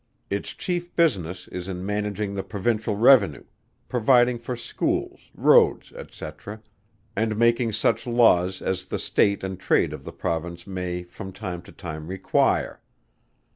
Its chief business is in managing the provincial revenue, providing for schools, roads, &c. and making such laws as the state and trade of the Province may from time to time require.